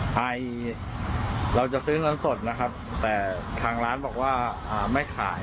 ใครเราจะซื้อเงินสดนะครับแต่ทางร้านบอกว่าไม่ขาย